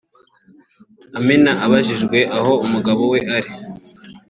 Amina abajijwe aho umugabo we ari